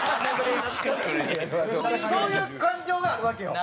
そういう感情があるわけよ。